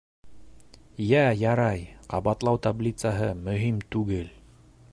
Йә ярай, ҡабатлау таблицаһы —мөһим түгел!